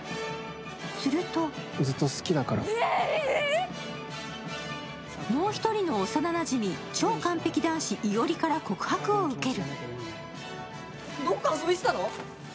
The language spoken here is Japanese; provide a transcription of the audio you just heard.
するともう一人の幼なじみ、超完璧男子・伊織から告白を受ける。